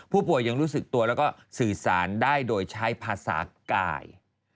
ผู้ป่วยยังรู้สึกตัวแล้วก็สื่อสารได้โดยใช้ภาษากาย